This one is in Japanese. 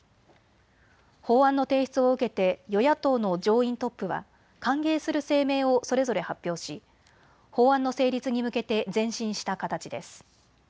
法案の提出を受けて与野党の上院トップは歓迎する声明をそれぞれ発表し法案の成立に向けて前進した形です。